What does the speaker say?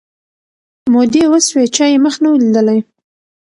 مودې وسوې چا یې مخ نه وو لیدلی